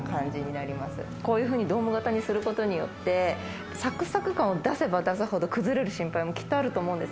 ドーム型にすることによってサクサク感を出せば出すほど崩れる心配もあると思うんです。